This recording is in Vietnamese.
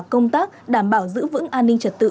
công tác đảm bảo giữ vững an ninh trật tự